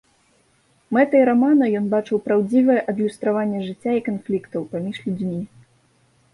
Мэтай рамана ён бачыў праўдзівае адлюстраванне жыцця і канфліктаў паміж людзьмі.